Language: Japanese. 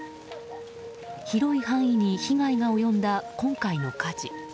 広い範囲に被害が及んだ今回の火事。